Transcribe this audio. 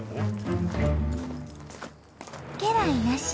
家来なし。